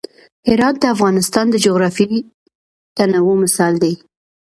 هرات د افغانستان د جغرافیوي تنوع مثال دی.